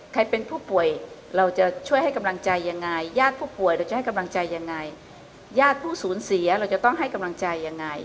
ใครเป็นผู้ป่วยเราจะช่วยให้กำลังใจยังไงญาติผู้ป่วยเราจะให้กำลังใจยังไงญาติผู้สูญเสียเราจะต้องให้กำลังใจยังไง